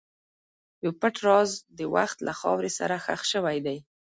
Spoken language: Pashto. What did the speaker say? یو پټ راز د وخت له خاورې سره ښخ شوی دی.